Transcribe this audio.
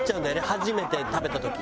初めて食べた時。